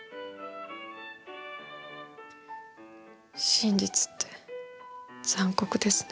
真実って残酷ですね。